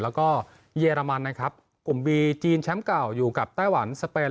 แล้วก็เยอรมันนะครับกลุ่มบีจีนแชมป์เก่าอยู่กับไต้หวันสเปน